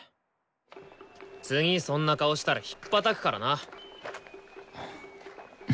次そんな顔したらひっぱたくからな！